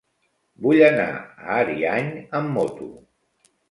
Vull anar a Ariany amb moto.